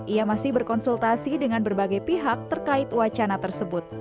ia masih berkonsultasi dengan berbagai pihak terkait wacana tersebut